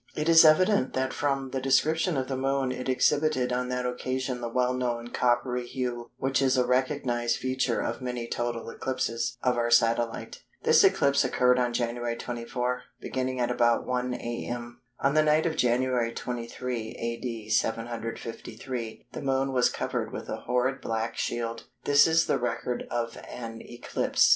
It is evident that from the description of the Moon it exhibited on that occasion the well known coppery hue which is a recognised feature of many total eclipses of our satellite. This eclipse occurred on January 24, beginning at about 1 a.m. On the night of January 23, A.D. 753, "the Moon was covered with a horrid black shield." This is the record of an eclipse.